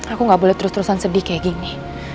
aku gak boleh terus terusan sedih kayak gini